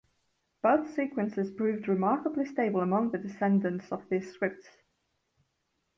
Both sequences proved remarkably stable among the descendants of these scripts.